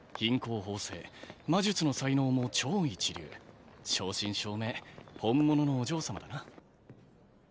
方正魔術の才能も超一流正真正銘本物のお嬢様だな